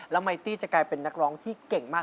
ไมตี้จะกลายเป็นนักร้องที่เก่งมาก